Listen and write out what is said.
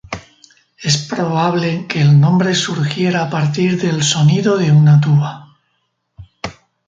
Es probable que el nombre surgiera a partir del sonido de una tuba.